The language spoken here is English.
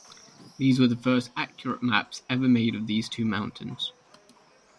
These were the first accurate maps ever made of these two mountains.